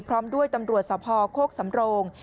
พร้อมด้วยตำรวจสภโคกสำโรง